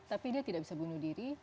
tapi dia tidak bisa bunuh diri